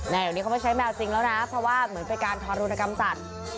เดี๋ยวนี้เขาไม่ใช้แมวจริงแล้วนะเพราะว่าเหมือนเป็นการทารุณกรรมสัตว์